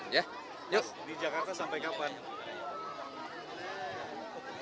yuk di jakarta sampai kapan